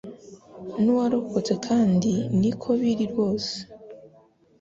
n'uwarokotse kandi niko biri rwose